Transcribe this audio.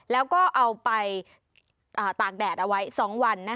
แล้วก็เอาไปตากแดดเอาไว้๒วัน